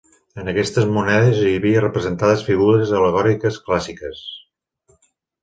En aquestes monedes hi havia representades figures al·legòriques clàssiques.